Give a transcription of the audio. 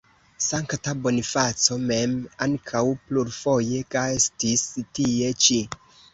Sankta Bonifaco mem ankaŭ plurfoje gastis tie ĉi.